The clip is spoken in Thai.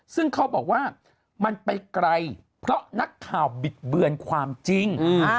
ซึ่งเขาบอกว่ามันไปไกลเพราะนักข่าวบิดเบือนความจริง